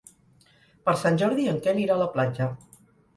Per Sant Jordi en Quel irà a la platja.